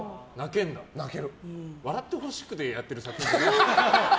笑ってほしくてやってる作品だけどね。